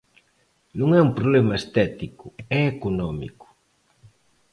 Non é un problema estético, é económico.